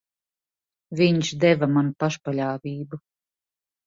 Viņš deva man pašpaļāvību.